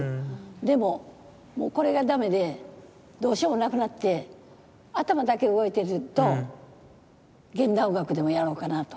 でももうこれが駄目でどうしようもなくなって頭だけ動いてると現代音楽でもやろうかなと。